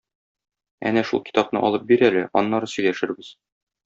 Әнә шул китапны алып бир әле, аннары сөйләшербез.